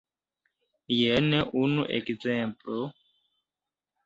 Jen unu ekzemplo.